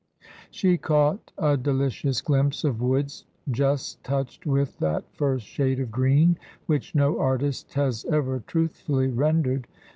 She caught a delicious glimpse of woods, just touched with that first shade of green which no artist has ever truthfully rendered.